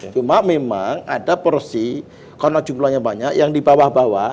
cuma memang ada porsi karena jumlahnya banyak yang di bawah bawah